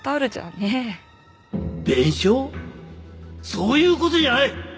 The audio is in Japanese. そういう事じゃない！